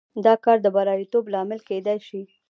دا کار د بریالیتوب لامل کېدای شي.